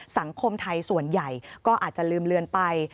สังคมไทยส่วนใหญ่ก็อาจจะลืมเลือนไป